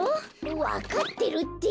わかってるって！